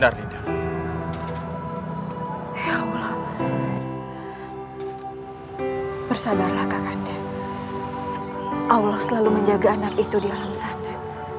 allah selalu menjaga anak itu di alam sana